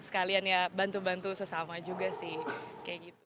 sekalian ya bantu bantu sesama juga sih